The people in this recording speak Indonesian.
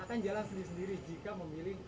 akan jalan sendiri sendiri jika memilih